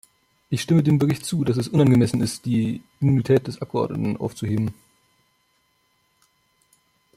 Ich stimme dem Bericht zu, dass es unangemessen ist, die Immunität des Abgeordneten aufzuheben.